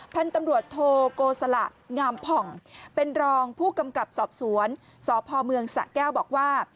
พันธุ์ตำรวจโทโกสละงามผ่องเป็นรองผู้กำกับสอบสวนสพเมืองสะแก้วบอกว่า